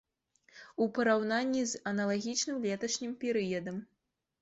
У параўнанні з аналагічным леташнім перыядам.